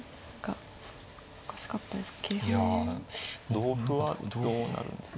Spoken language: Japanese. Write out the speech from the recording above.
同歩はどうなるんですか。